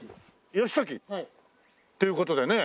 義時？っていう事でね。